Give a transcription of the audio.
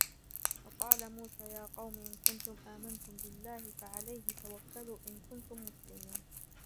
وقال موسى يا قوم إن كنتم آمنتم بالله فعليه توكلوا إن كنتم مسلمين